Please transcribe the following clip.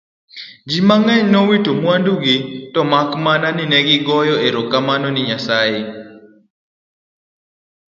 ji mang'eny nowito mwandugi to mak mana ni negigoyo erokamano ni Nyasaye